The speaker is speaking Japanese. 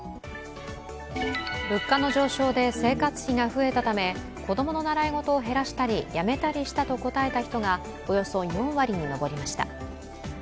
物価の上昇で生活費が増えたため、子供の習い事を減らしたり、やめたりしたと答えた人がおよそ４割に上りました。